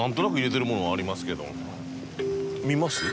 見ます？